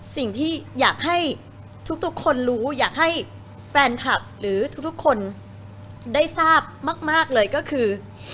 สิ่งที่อยากให้ทุกคนรู้อยากให้แฟนคลับหรือทุกคนได้ทราบมากเลยก็คือ